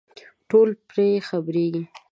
ټول پرې خبرېږي.